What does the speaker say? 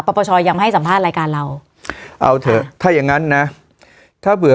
ปปชยังไม่ให้สัมภาษณ์รายการเราเอาเถอะถ้าอย่างงั้นนะถ้าเบื่อ